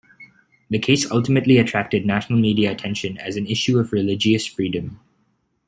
The case ultimately attracted national media attention as an issue of religious freedom.